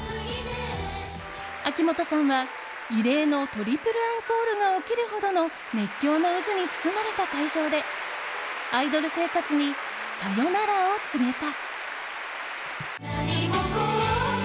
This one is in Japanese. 秋元さんは異例のトリプルアンコールが起きるほどの熱狂の渦に包まれた会場でアイドル生活にさよならを告げた。